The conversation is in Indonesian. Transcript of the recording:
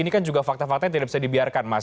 ini kan juga fakta faktanya tidak bisa dibiarkan mas